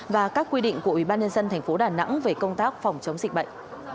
và các quy định của ubnd tp đà nẵng về công tác phòng chống dịch bệnh